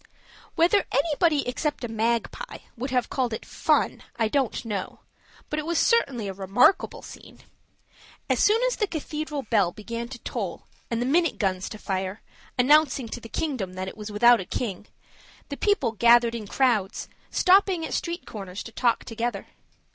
Whether anybody except a magpie would have called it "fun" I don't know, but it certainly was a remarkable scene. As soon as the cathedral bell began to toll and the minute guns to fire, announcing to the kingdom that it was without a king, the people gathered in crowds, stopping at street corners to talk together.